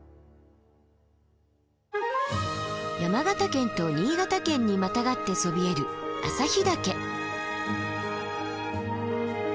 山形県と新潟県にまたがってそびえる朝日岳。